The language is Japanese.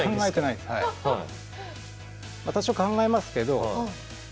多少考えますけど。